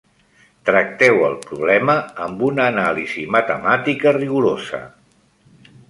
Tracteu el problema amb una anàlisi matemàtica rigorosa.